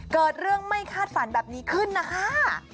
เกิดเรื่องไม่คาดฝันแบบนี้ขึ้นนะคะ